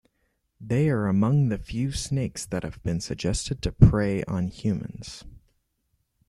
They are among the few snakes that have been suggested to prey on humans.